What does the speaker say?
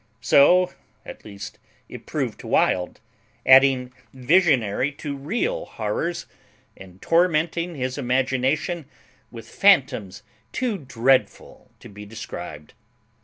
So at least it proved to Wild, adding visionary to real horrors, and tormenting his imagination with phantoms too dreadful to be described.